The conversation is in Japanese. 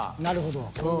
なるほど。